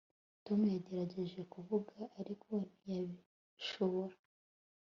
Tom yagerageje kuvuga ariko ntiyabishobora